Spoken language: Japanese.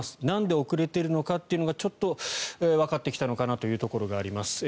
なんで遅れているかがちょっとわかってきたのかなというところがあります。